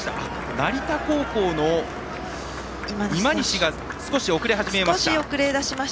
成田高校の今西が少し遅れ始めました。